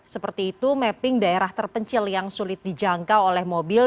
seperti itu mapping daerah terpencil yang sulit dijangkau oleh mobil